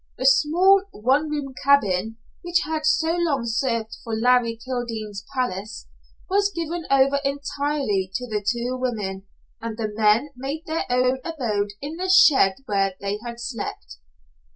The small, one room cabin, which had so long served for Larry Kildene's palace, was given over entirely to the two women, and the men made their own abode in the shed where they had slept.